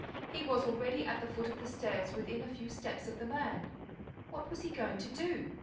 He was already at the foot of the stairs, within a few steps of the man. What was he going to do?